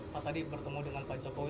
pak tadi bertemu dengan pak jokowi